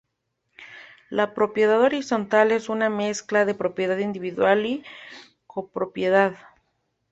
La propiedad horizontal es una mezcla de propiedad individual y copropiedad.